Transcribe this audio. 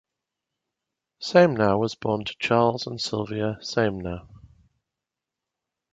Samenow was born to Charles and Sylvia Samenow.